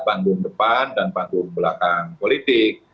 bangun depan dan bangun belakang politik